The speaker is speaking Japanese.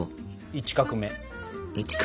１画目。